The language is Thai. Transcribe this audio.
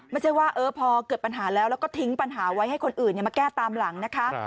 ไม่ใช่ว่าพอเกิดปัญหาแล้วแล้วก็ทิ้งปัญหาไว้ให้คนอื่นมาแก้ตามหลังนะคะ